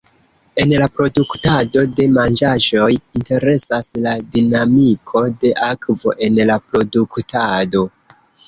En la produktado de manĝaĵoj, interesas la dinamiko de akvo en la produktado.